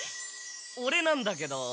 オレなんだけど。